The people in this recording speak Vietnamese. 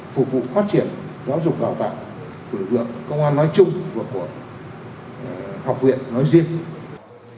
phục vụ phát triển giáo dục đào tạo của lực lượng công an nói chung và của học viện nói riêng